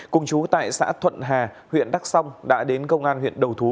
cùng chú tại xã thuận hà huyện đắc song đã đến công an huyện đầu thú